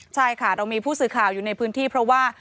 ใช่ค่ะเรามีผู้สื่อข่าวอยู่ในพื้นที่เพราะว่า